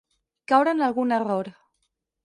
Caure en algun error.